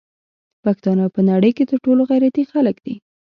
پښتانه په نړی کی تر ټولو غیرتی خلک دی